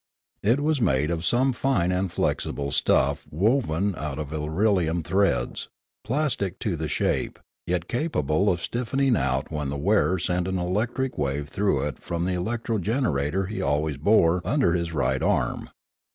It was made of some fine and flexible stuff woven out of irelium threads, plastic to the shape, yet capable of stiffening out when the wearer sent an electric wave through it from the electro generator he always bore under his right arm.